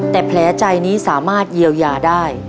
แต่แผลใจนี้สามารถเยียวยาได้